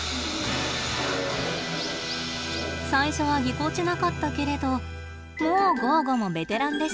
最初はぎこちなかったけれどもうゴーゴもベテランです。